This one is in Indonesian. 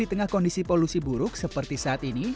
di tengah kondisi polusi buruk seperti saat ini